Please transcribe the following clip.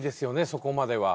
そこまでは。